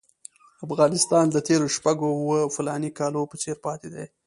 افغانستان د تېرو شپږو اوو فلاني کالو په څېر پاتې دی.